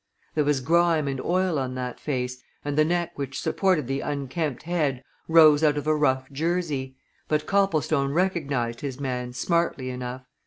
There was grime and oil on that face, and the neck which supported the unkempt head rose out of a rough jersey, but Copplestone recognized his man smartly enough.